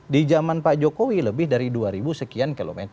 di zaman pak jokowi lebih dari dua ribu sekian kilometer